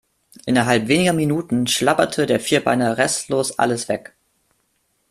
Innerhalb weniger Minuten schlabberte der Vierbeiner restlos alles weg.